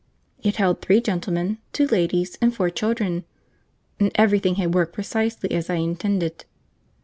It held three gentlemen, two ladies, and four children, and everything had worked precisely as I intended.